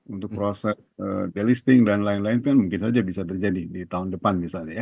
untuk proses delisting dan lain lain itu mungkin saja bisa terjadi di tahun depan